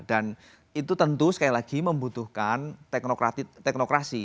dan itu tentu sekali lagi membutuhkan teknologi